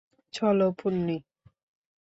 চল, পোন্নি।